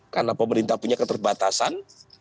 karena pemerintah punya keterbatasan